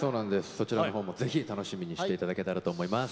そちらのほうも、ぜひ楽しみにしていただけたらと思います。